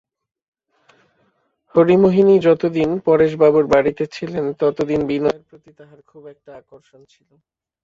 হরিমোহিনী যতদিন পরেশবাবুর বাড়িতে ছিলেন ততদিন বিনয়ের প্রতি তাঁহার খুব একটা আকর্ষণ ছিল।